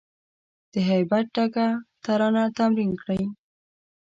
د هیبت ډکه ترانه تمرین کړی